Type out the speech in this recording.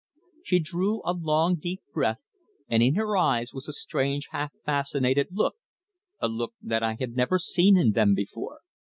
She drew a long, deep breath, and in her eyes was a strange half fascinated look a look that I had never seen in them before.